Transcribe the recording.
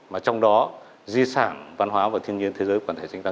mà trong đó di sản văn hóa và thiên nhiên thế giới của kinh đô hoa lư xưa